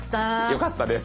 よかったです。